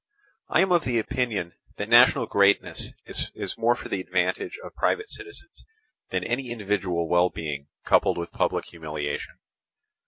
I am of opinion that national greatness is more for the advantage of private citizens, than any individual well being coupled with public humiliation.